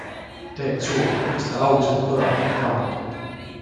Teet Suur, miks te ausaid kodanikke pahandate?